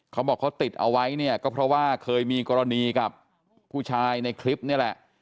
เขาบอกเขาติดเอาไว้เนี่ยก็เพราะว่าเคยมีกรณีกับผู้ชายในคลิปนี่แหละ